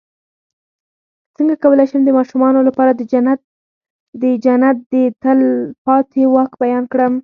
څنګه کولی شم د ماشومانو لپاره د جنت د تل پاتې واک بیان کړم